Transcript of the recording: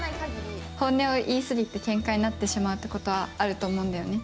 本音を言いすぎてけんかになってしまうことはあると思うんだよね。